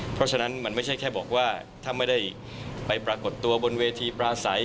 เพราะฉะนั้นมันไม่ใช่แค่บอกว่าถ้าไม่ได้ไปปรากฏตัวบนเวทีปราศัย